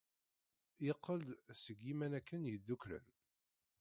Yeqqel-d seg Yiwanaken Yeddukklen.